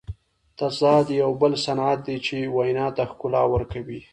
تضاد یو بل صنعت دئ، چي وینا ته ښکلا ورکوي.